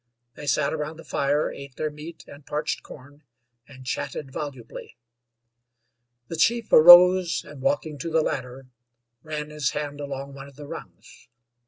They sat around the fire, ate their meat and parched corn, and chatted volubly. The chief arose and, walking to the ladder, ran his hand along one of the rungs.